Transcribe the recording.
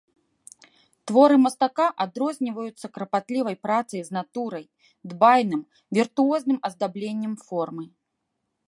Творы мастака адрозніваюцца карпатлівай працай з натурай, дбайным, віртуозным аздабленнем формы.